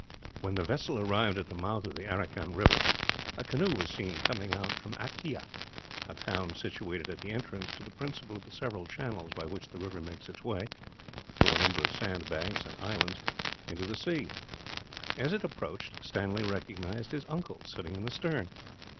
When the vessel arrived at the mouth of the Aracan river, a canoe was seen coming out from Akyah a town situated at the entrance to the principal of the several channels by which the river makes its way, through a number of sand banks and islands, into the sea. As it approached, Stanley recognized his uncle sitting in the stern.